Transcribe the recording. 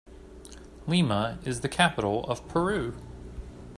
Lima is the capital of Peru.